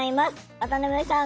渡辺さん